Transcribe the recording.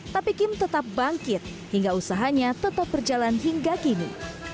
tapi kim tetap bangkit hingga usahanya tetap berjalan hingga kini